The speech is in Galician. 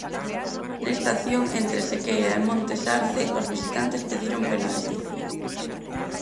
Nesta acción entre Sequeira e Montes Arce, os visitantes pediron penalti.